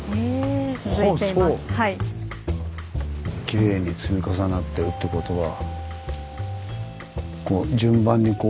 きれいに積み重なってるってことは。